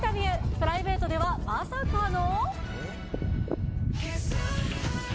プライベートではまさかの？